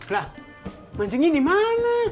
lah mancing ini dimana